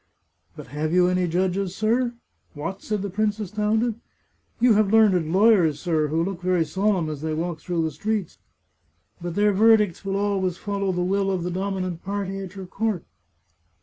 " But have you any judges, sir? "" What !" said the prince, astounded. " You Have learned lawyers, sir, who look very solemn as they walk through the streets. But their verdicts will always follow the will of the dominant party at your court."